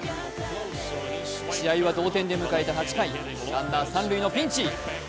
試合は同点で迎えた８回、ランナー三塁のピンチ。